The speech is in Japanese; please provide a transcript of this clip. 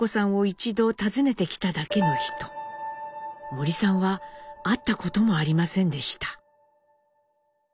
森さんは会ったこともありませんでした。